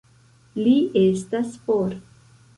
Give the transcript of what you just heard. Li estas for.